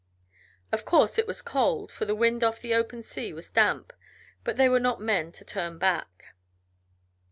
Of course it was cold, for the wind off the open sea was damp, but they were not men to turn back.